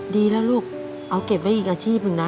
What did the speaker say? ดีแล้วลูกเอาเก็บไว้อีกอาชีพหนึ่งนะ